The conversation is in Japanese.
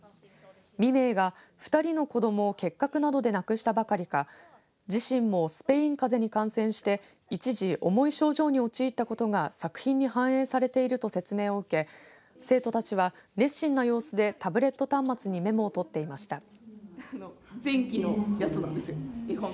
未明が、２人の子どもを結核などで亡くしたばかりか自身もスペインかぜに感染して一時、重い症状に陥ったことが作品に反映されていると説明を受け生徒たちは熱心な様子でタブレット端末にメモを取っていました。